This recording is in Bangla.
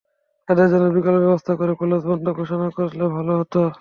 তাঁদের জন্য বিকল্প ব্যবস্থা করে কলেজ বন্ধ ঘোষণা করলে ভালো হতো।